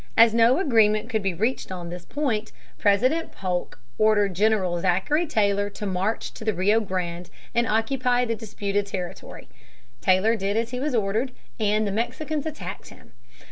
As no agreement could be reached on this point, President Polk ordered General Zachary Taylor to march to the Rio Grande and occupy the disputed territory. Taylor did as he was ordered, and the Mexicans attacked him.